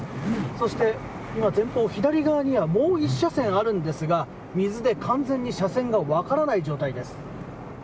そして、前方左側にはもう１車線あるんですが水で完全に車線が分からない状態です。